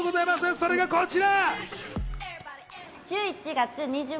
それがこちら。